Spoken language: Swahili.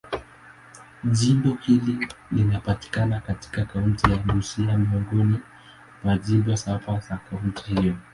Jimbo hili linapatikana katika kaunti ya Busia, miongoni mwa majimbo saba ya kaunti hiyo.